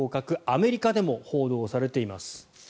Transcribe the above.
アメリカでも報道されています。